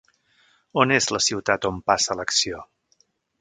On és la ciutat on passa l'acció?